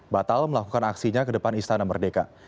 batal melakukan aksinya ke depan istana merdeka